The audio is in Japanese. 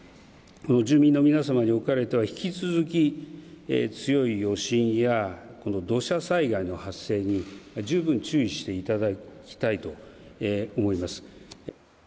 住民の皆さんにおかれては引き続き強い余震や土砂災害の発生に十分注意していただきたいと思います。